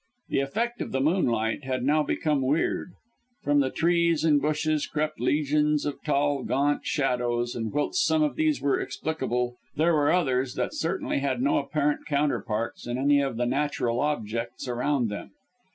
The effect of the moonlight had now become weird. From the trees and bushes crept legions of tall, gaunt shadows, and whilst some of these were explicable, there were others that certainly had no apparent counterparts in any of the natural objects around them.